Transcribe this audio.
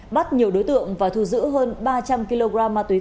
bắt nhiều đối tượng và thu giữ hơn ba trăm linh kg